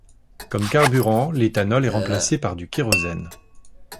Comme carburant, l'éthanol est remplacé par du kérosène.